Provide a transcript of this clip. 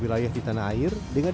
penerbangan di segala letters